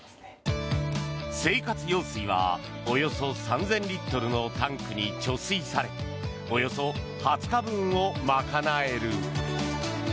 生活用水はおよそ３０００リットルのタンクに貯水されおよそ２０日分を賄える。